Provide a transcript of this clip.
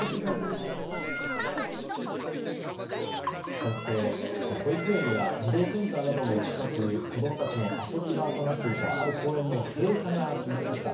かわって保育園や児童センターなども近く子供たちの遊び場となっていたある公園の閉鎖が決まりました。